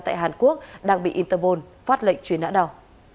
tại hàn quốc đang bị interpol phát lệnh truy nã đảo